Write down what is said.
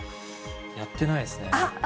やってないですね。